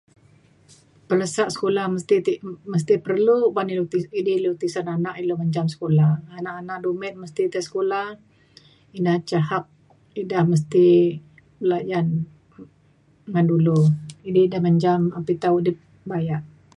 pelesak sekula mesti ti mesti perlu ban ilu [unintelligible] tisen anak le mencam sekula anak anak dumit mesti tai sekula ina ca hak eda mesti belajan ngan dulu ni eda mencam mita udip bayak